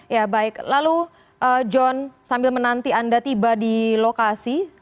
ya baik lalu john sambil menanti anda tiba di lokasi